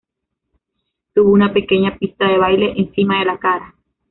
Tuvo una pequeña pista de baile encima de la cara.